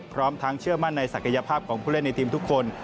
พร้อมทั้งเชื่อมั่นในศักยภาพของผู้เล่นในทีมทุกคน